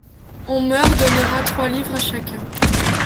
On meur donnera trois livres à chacun.